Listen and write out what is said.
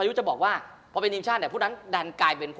อย่างนี้อย่างฟุตบอลเนี่ย